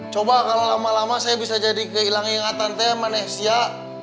coba kalau lama lama saya bisa jadi kehilang ingatan teh manesia